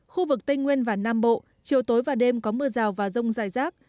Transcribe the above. khu vực tây nguyên và nam bộ chiều tối và đêm có mưa rào và rông dài rác